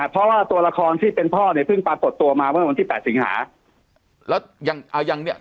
เพราะว่าตัวละครที่เป็นพ่อเนี่ยเพิ่งปรากฏตัวมาเมื่อวันที่๘สิงหา